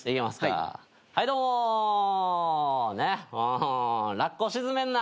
うんラッコ沈めんな。